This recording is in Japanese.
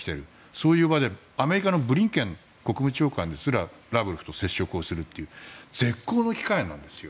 そういう場でアメリカのブリンケン国務長官ですらラブロフと接触をするという絶好の機会なんですよ。